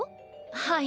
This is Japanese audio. はい。